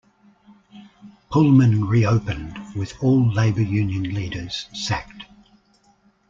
Pullman reopened with all labor union leaders sacked.